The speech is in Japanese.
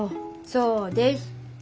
そうです。